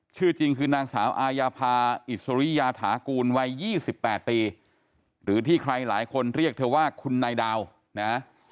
ชื่อจริงคือนางสาวอายาภาอิสริยาฐากูลวัย๒๘ปีหรือที่ใครหลายคนเรียกเธอว่าคุณนายดาวนะ